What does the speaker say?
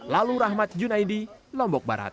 lalu rahmat junaidi lombok barat